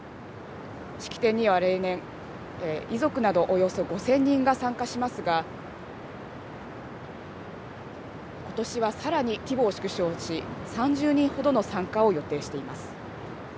式典には例年、遺族などおよそ５０００人が参加しますが、ことしはさらに規模を縮小し、３０人ほどの参加を予定しています。